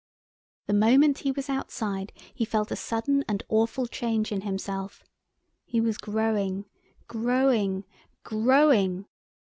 The moment he was outside, he felt a sudden and awful change in himself. He was growing, growing, growing.